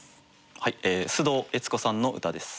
はい須藤悦子さんの歌です。